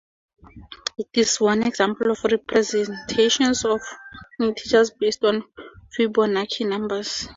It is one example of representations of integers based on Fibonacci numbers.